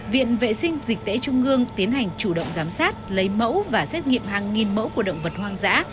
viện vệ sinh dịch tễ trung ương tiến hành chủ động giám sát lấy mẫu và xét nghiệm hàng nghìn mẫu của động vật hoang dã